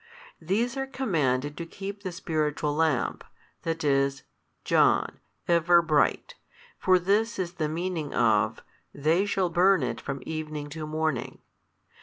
These are commanded to keep the spiritual lamp, that is, John, ever bright, for this is the meaning of, They shall burn it from evening to morning.